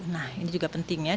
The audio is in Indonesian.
nah ini juga penting ya